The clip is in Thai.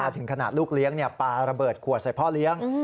ถึงขนาดลูกเลี้ยงปลาระเบิดขวดใส่พ่อเลี้ยง